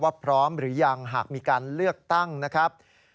พร้อมหรือยังหากมีการเลือกตั้งนะครับ